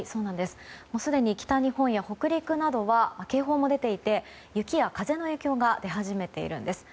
すでに北日本や北陸などは警報も出ていて雪や風の影響が出始めているんです。